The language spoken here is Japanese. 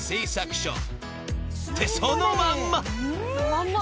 ［ってそのまんま！］